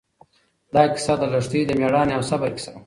دا کیسه د لښتې د مېړانې او صبر کیسه وه.